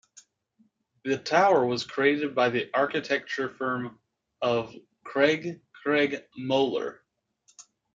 The tower was created by the architecture firm of Craig Craig Moller.